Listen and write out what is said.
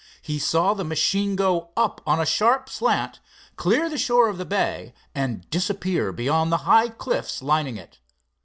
He saw the machine go up on a sharp slant, clear the shore of the bay, and disappear beyond the high cliffs lining it.